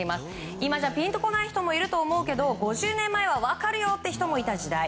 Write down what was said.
今じゃピンとこない人もいると思うけど５０年前は分かるよという人もいた時代。